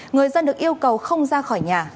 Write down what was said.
người dân được yêu cầu không ra khỏi nhà